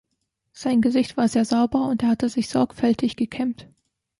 Sein Gesicht war sehr sauber und er hatte sich sorgfältig gekämmt.